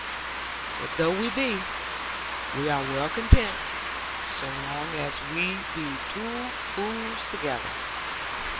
But though we be, we are well content, so long as we may be two fools together.'